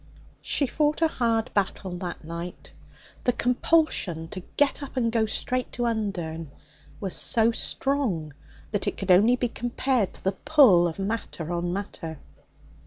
She fought a hard battle that night. The compulsion to get up and go straight to Undern was so strong that it could only be compared to the pull of matter on matter.